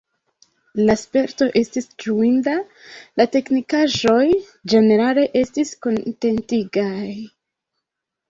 La sperto estis ĝuinda, la teknikaĵoj ĝenerale estis kontentigaj.